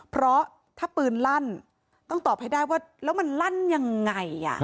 เพราะถ้าปืนลั่นต้องตอบให้ได้ว่าแล้วมันลั่นยังไง